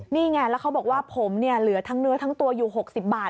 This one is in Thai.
นี่ไงแล้วเขาบอกว่าผมเนี่ยเหลือทั้งเนื้อทั้งตัวอยู่๖๐บาท